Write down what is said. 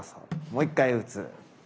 もう１回打つ。